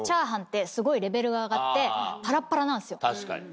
確かに。